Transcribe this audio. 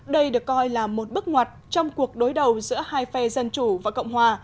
đây được coi là một bước ngoặt trong cuộc đối đầu giữa hai phe dân chủ và cộng hòa